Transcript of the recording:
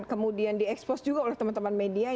kemudian di expose juga oleh teman teman media